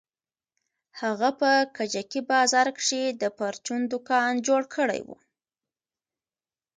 هغه په کجکي بازار کښې د پرچون دوکان جوړ کړى و.